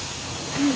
うん。